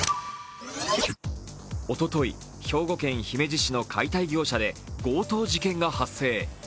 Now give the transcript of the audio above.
おととい、兵庫県姫路市の解体業者で強盗事件が発生。